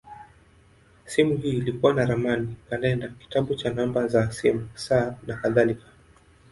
Simu hii ilikuwa na ramani, kalenda, kitabu cha namba za simu, saa, nakadhalika.